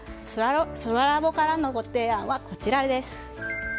そらラボからのご提案はこちらです。